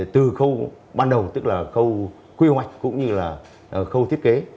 từ khâu ban đầu tức là khâu quy hoạch cũng như là khâu thiết kế